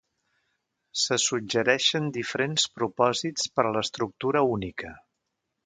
Se suggereixen diferents propòsits per a l'estructura única.